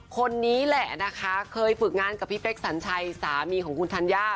คนนี้แหละนะคะเคยฝึกงานกับพี่เป๊กสัญชัยสามีของคุณธัญญา